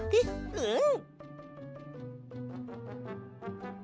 うん！